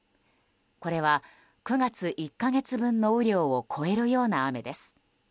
これは９月１か月分の雨量を超えるような雨です。